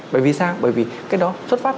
bởi vì sao bởi vì cái đó xuất phát